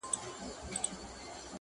• اوبه به را سي پکښي به ځغلي -